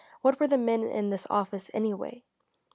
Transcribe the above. What were the men in this office, anyway?